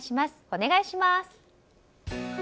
お願いします。